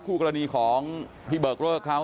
คู่กรณีของพี่เบิกเลิกเขา